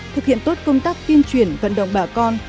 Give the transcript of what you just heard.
thực hiện tốt công tác tuyên truyền vận động bà con